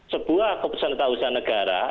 sebuah keputusan atau usaha negara